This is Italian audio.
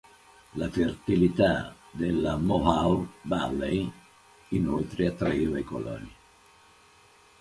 La fertilità della Mohawk Valley, inoltre, attraeva i coloni.